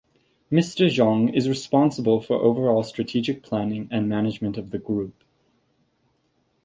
Mr. Cheung is responsible for overall strategic planning and management of the Group.